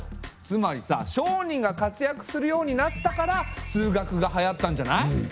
つまりさ商人がかつやくするようになったから数学がはやったんじゃない？